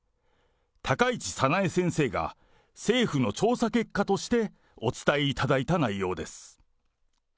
高市早苗先生が政府の調査結果としてお伝えいただいた内容です。